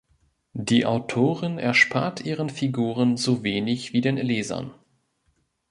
Die Autorin erspart ihren Figuren so wenig wie den Lesern.